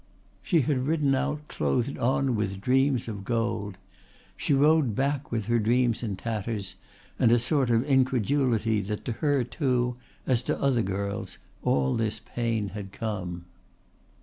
She had ridden out clothed on with dreams of gold. She rode back with her dreams in tatters and a sort of incredulity that to her too, as to other girls, all this pain had come.